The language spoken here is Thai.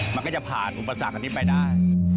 มันก็จะผ่านอุปสรรคอันนี้ไปได้